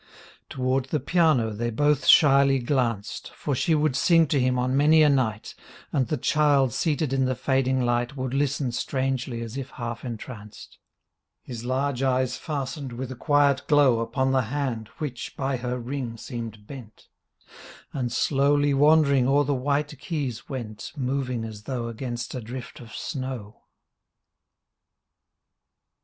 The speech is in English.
Toward the piano they both shyly glanced For she would sing to him on many a night, And the child seated in the fading light Would listen strangely as if half entranced, His large eyes fastened with a quiet glow Upon the hand which by her ring seemed bent And slowly wandering o'er the white keys went Moving as though against a drift of snow.